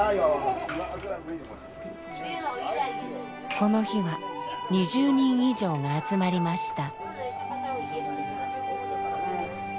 この日は２０人以上が集まりました。